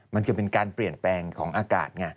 มันจะเป็นการเปลี่ยนแปลงของอากาศไง